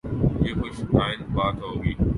یہ خوش آئند بات ہو گی۔